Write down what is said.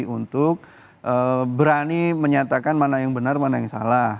untuk berani menyatakan mana yang benar mana yang salah